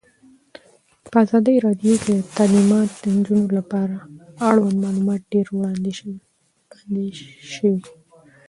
په ازادي راډیو کې د تعلیمات د نجونو لپاره اړوند معلومات ډېر وړاندې شوي.